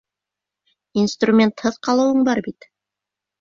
Инструментһыҙ ҡалыуың бар бит!